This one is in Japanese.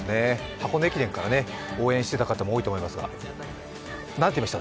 箱根駅伝から応援していた方も多いと思いますがなんていいました？